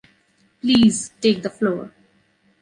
Please, take the floor.